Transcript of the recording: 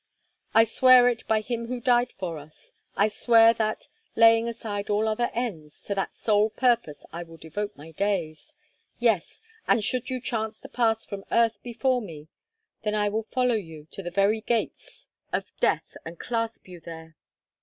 I swear it by Him Who died for us. I swear that, laying aside all other ends, to that sole purpose I will devote my days. Yes, and should you chance to pass from earth before me, then I will follow you to the very gates of death and clasp you there."